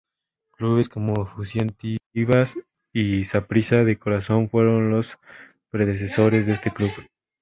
Clubes como Fusión Tibás, y Saprissa de Corazón fueron los predecesores de este club.